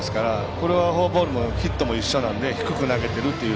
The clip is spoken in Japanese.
これはフォアボールもヒットも一緒なんで低く投げているっていう。